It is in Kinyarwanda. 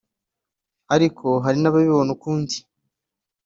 ariko hari n’ababibona ukundi